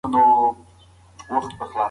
لمونځ کول د زړه سکون دی.